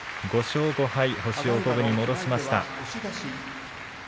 ５勝５敗、星を五分に戻しました。